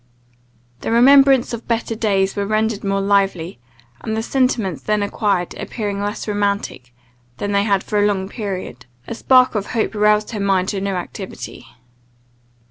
The remembrance of better days was rendered more lively; and the sentiments then acquired appearing less romantic than they had for a long period, a spark of hope roused her mind to new activity.